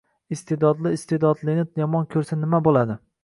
Iste’dodli iste’dodlini yomon ko’rsa nima bo’ladi?